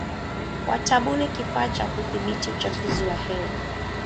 Watabuni kifaa cha kudhibiti uchafuzi wa hewa